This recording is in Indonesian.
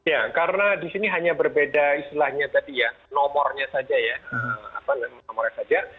ya karena di sini hanya berbeda istilahnya tadi ya nomornya saja ya nomornya saja